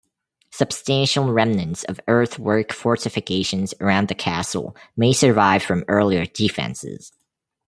Substantial remnants of earthwork fortifications around the Castle may survive from earlier defences.